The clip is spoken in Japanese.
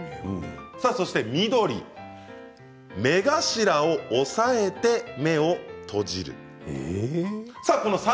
そして、緑目頭を押さえて目を閉じる。